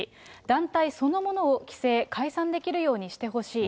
団体そのものを規制、解散できるようにしてほしい。